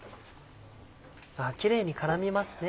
キレイに絡みますね。